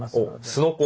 すのこ。